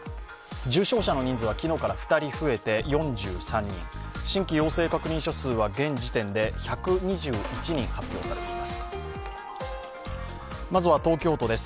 重症者の人数は昨日から２人増えて４３人新規陽性確認者数は現時点で１２１人発表されています。